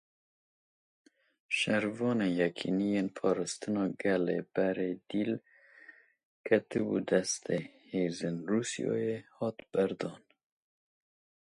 Şervanê Yekîneyên Parastina Gel ê berê dîl ketibû destê hêzên Rûsyayê hat berdan.